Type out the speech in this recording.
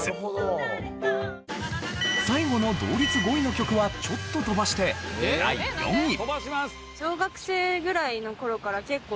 最後の同率５位の曲はちょっと飛ばして第４位。